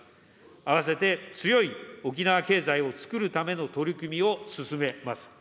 併せて強い沖縄経済をつくるための取り組みを進めます。